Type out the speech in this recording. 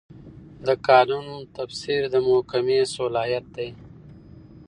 د قانون تفسیر د محکمې صلاحیت دی.